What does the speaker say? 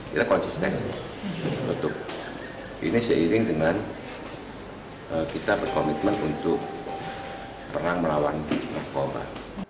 kita konsisten untuk ini seiring dengan kita berkomitmen untuk perang melawan narkoba